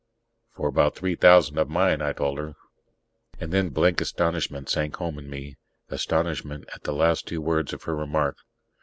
"For about three thousand of mine," I told her. And then blank astonishment sank home in me astonishment at the last two words of her remark.